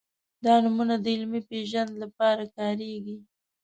دا نومونه د علمي پېژند لپاره کارېږي.